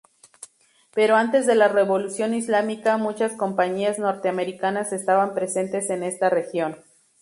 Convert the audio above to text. Pero antes de la Revolución Islámica muchas compañías norteamericanas estaban presentes en esta región.